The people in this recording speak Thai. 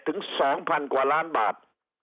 ถึง๒๐๐๐กว่าล้านบาท